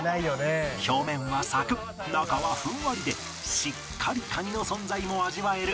表面はサクッ中はふんわりでしっかりカニの存在を味わえるお店人気のメニュー